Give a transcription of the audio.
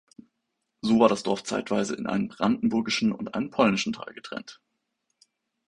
So war das Dorf zeitweise in einen brandenburgischen und einen polnischen Teil getrennt.